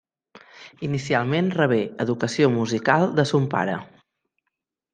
Inicialment rebé educació musical de son pare.